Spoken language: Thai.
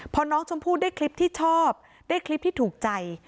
พอน้องชมพู่ได้คลิปที่ชอบได้คลิปที่ถูกใจ